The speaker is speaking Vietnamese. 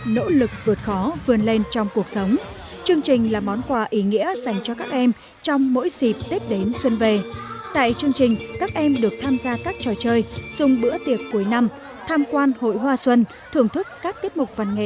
nỗ lực và tâm lý để tìm hiểu về tình hình của các em